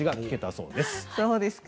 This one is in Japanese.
そうですか。